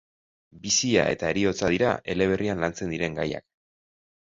Bizia eta heriotza dira eleberrian lantzen diren gaiak.